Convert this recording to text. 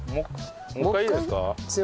もう一回いいですか？